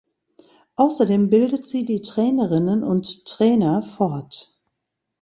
Außerdem bildet sie die Trainerinnen und Trainer fort.